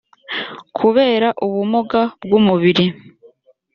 kubera ubumuga bw’umubiri